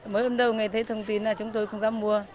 mới ấm đầu người thấy thông tin là chúng tôi không dám mua